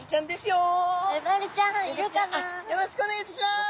よろしくお願いします。